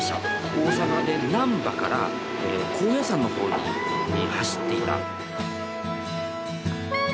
大阪で難波から高野山の方に走っていた。